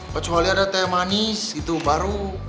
kecuali ada teh manis itu baru